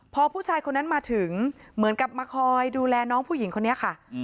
พอผู้ชายคนนั้นมาถึงเหมือนกับมาคอยดูแลน้องผู้หญิงคนนี้ค่ะ